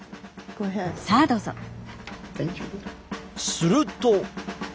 すると！